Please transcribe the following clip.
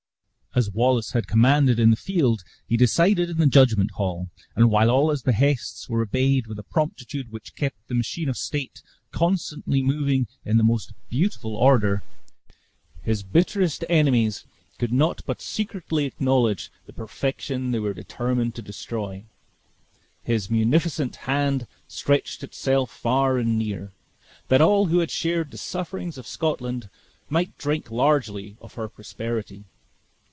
As Wallace had commanded in the field, he decided in the judgment hall; and while all his behests were obeyed with a promptitude which kept the machine of state constantly moving in the most beautiful order, his bitterest enemies could not but secretly acknowledge the perfection they were determined to destroy. His munificent hand stretched itself far and near, that all who had shared the sufferings of Scotland might drink largely of her prosperity.